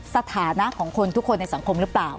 สถานะของคนทุกคนในสังคมหรือเปล่า